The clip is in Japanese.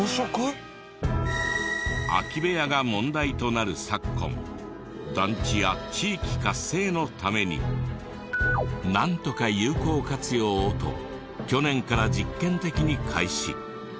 空き部屋が問題となる昨今団地や地域活性のためになんとか有効活用をと去年から実験的に開始。